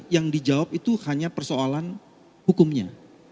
yang dijawab itu hanya persoalan hukumnya